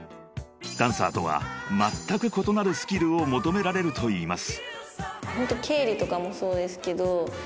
［ダンサーとはまったく異なるスキルを求められるといいます］